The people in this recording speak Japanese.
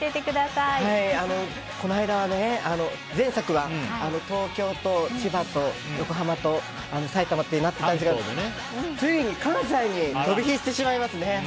この間、前作は東京と千葉と横浜と埼玉となってたんですがついに関西に飛び火してしまいますね。